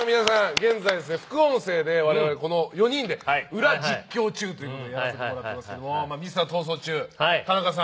現在、副音声では我々４人で「ウラ実況中」をやらせてもらっていますけどミスター「逃走中」の田中さん